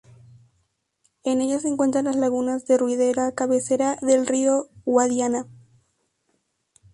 En ella se encuentran las Lagunas de Ruidera, cabecera del río Guadiana.